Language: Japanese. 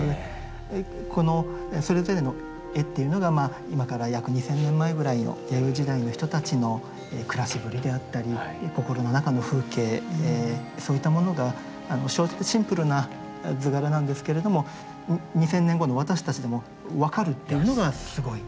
このそれぞれの絵というのが今から約２，０００年前ぐらいの弥生時代の人たちの暮らしぶりであったり心の中の風景そういったものがシンプルな図柄なんですけれども２，０００年後の私たちでも分かるというのがすごい。